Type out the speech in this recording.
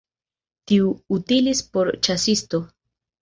Tiu utilis por ĉasisto.